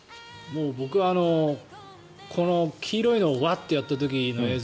僕、黄色いのをワッてやった時の映像